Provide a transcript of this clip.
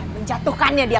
saya kotorin dia